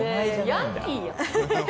ヤンキーやん。